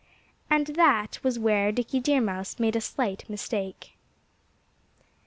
And that was where Dickie Deer Mouse made a slight mistake.